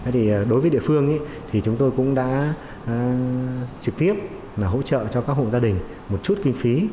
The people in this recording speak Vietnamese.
thì đối với địa phương thì chúng tôi cũng đã trực tiếp là hỗ trợ cho các hộ gia đình một chút kinh phí